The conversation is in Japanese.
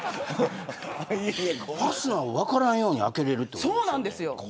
ファスナーを分からんように開けれるってことですよね。